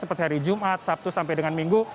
seperti hari jumat sabtu sampai dengan minggu